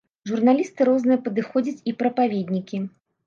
Журналісты розныя падыходзяць і прапаведнікі.